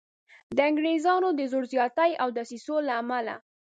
د انګریزانو د زور زیاتي او دسیسو له امله.